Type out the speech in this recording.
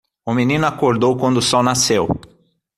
O menino acordou quando o sol nasceu.